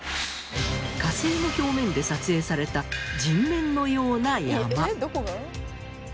火星の表面で撮影された人面のような山。